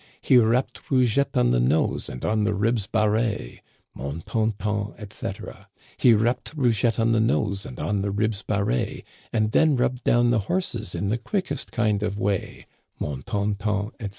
He rapped Rougett* on the nose, and on the ribs Barré : Mon ton ton, etc. He rapped Rougett' on the nose, and on the ribs Barré, And then rubbed down the horses in the quickest kind of way : Mon ton ton, etc.